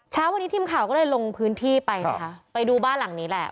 เช้าวันนี้ทีมข่าวก็เลยลงพื้นที่ไปนะคะไปดูบ้านหลังนี้แหละ